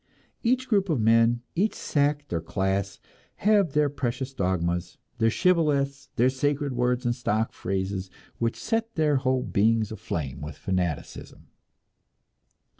Each group of men, each sect or class, have their precious dogmas, their shibboleths, their sacred words and stock phrases which set their whole beings aflame with fanaticism.